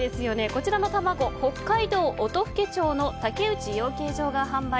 こちらの卵、北海道音更町の竹内養鶏場が販売。